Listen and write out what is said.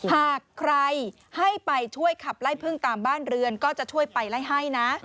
หากใครให้ไปช่วยขับไล่พึ่งตามบ้านเรือนก็จะช่วยไปไล่ให้นะ